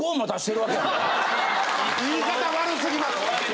言い方悪すぎます。